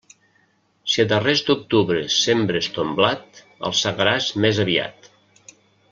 Si a darrers d'octubre sembres ton blat, el segaràs més aviat.